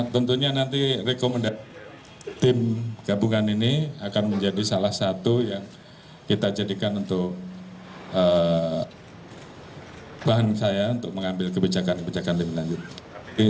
tentunya nanti rekomendasi tim gabungan ini akan menjadi salah satu yang kita jadikan untuk bahan saya untuk mengambil kebijakan kebijakan lebih lanjut